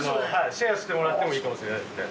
シェアしてもらってもいいかもしれないですね。